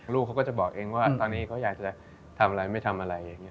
ลูกเขาก็จะบอกเองว่าตอนนี้เขาอยากจะทำอะไรไม่ทำอะไรอย่างนี้